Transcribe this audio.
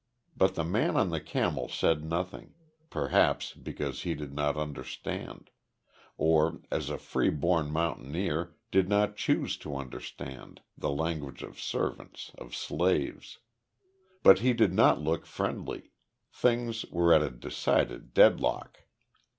But the man on the camel said nothing, perhaps because he did not understand or as a freeborn mountaineer, did not choose to understand the language of servants of slaves. But he did not look friendly. Things were at a decided deadlock.